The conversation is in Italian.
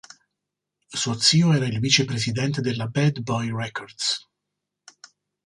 Suo zio era il vicepresidente della Bad Boy Records.